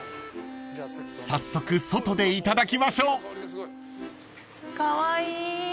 ［早速外でいただきましょう］カワイイ。